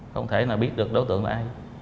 không thể nào biết được đối tượng là ai